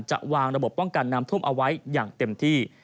จะวางระบบป้องกันน้ำท่วมเอาไว้อย่างเต็มที่